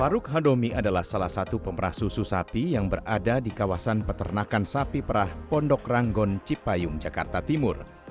faruk hadomi adalah salah satu pemerah susu sapi yang berada di kawasan peternakan sapi perah pondok ranggon cipayung jakarta timur